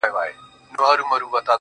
شكر چي ښكلا يې خوښــه ســوېده,